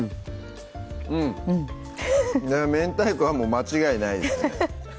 うんうん明太子はもう間違いないですね